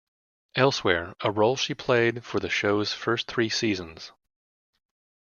Elsewhere, a role she played for the show's first three seasons.